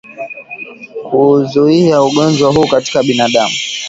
Kuuzuia ugonjwa huu katika binadamu